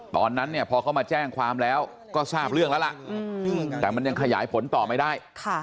ตอนนั้นเนี่ยพอเขามาแจ้งความแล้วก็ทราบเรื่องแล้วล่ะแต่มันยังขยายผลต่อไม่ได้